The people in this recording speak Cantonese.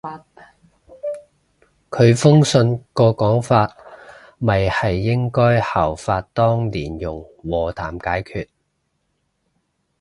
佢封信個講法咪係應該效法當年用和談解決